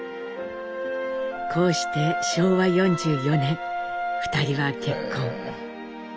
こうして昭和４４年２人は結婚。